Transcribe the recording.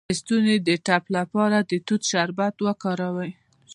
د ستوني د ټپ لپاره د توت شربت وکاروئ